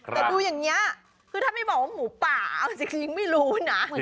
แต่ดูอย่างนี้คือถ้าไม่บอกว่าหมูป่าเอาจริงไม่รู้นะ